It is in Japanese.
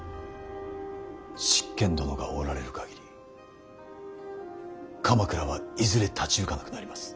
執権殿がおられる限り鎌倉はいずれ立ち行かなくなります。